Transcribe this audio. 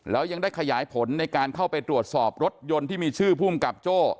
แล้วยังได้ขยายผลในการเข้าไปตรวจสอบรถยนต์ที่มีชื่อภูมิกับโจ้